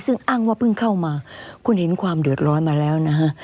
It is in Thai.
ซึ่งอ้างว่าเพิ่งเข้ามาคุณเห็นความเดือดร้อนมาแล้วนะฮะ